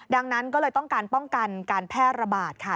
ดังนั้นก็เลยต้องการป้องกันการแพร่ระบาดค่ะ